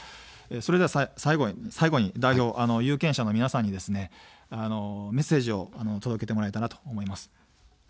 それでは最後に代表、有権者の皆さんにメッセージを届けてもらえたらと思います。